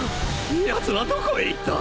やつはどこへ行った！？